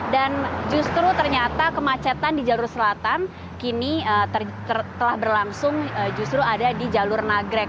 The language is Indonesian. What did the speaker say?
dan justru ternyata kemacetan di jalur selatan kini telah berlangsung justru ada di jalur nagrek